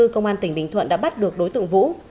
công an tỉnh bình thuận đã bắt được đối tượng vũ